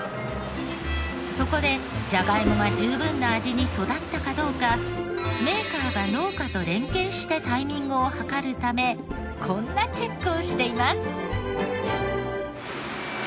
そこでジャガイモが十分な味に育ったかどうかメーカーが農家と連携してタイミングを計るためこんなチェックをしています。